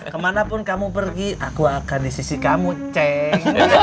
kemanapun kamu pergi aku akan di sisi kamu cek